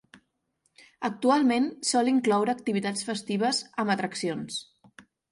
Actualment sol incloure activitats festives, amb atraccions.